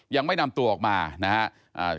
ยังไม่นำตัวออกมานะครับ